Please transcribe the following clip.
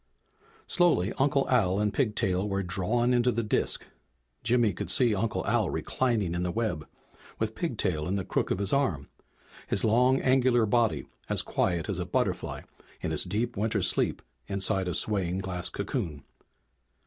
Slowly Uncle Al and Pigtail were drawn into the disk. Jimmy could see Uncle Al reclining in the web, with Pigtail in the crook of his arm, his long, angular body as quiet as a butterfly in its deep winter sleep inside a swaying glass cocoon.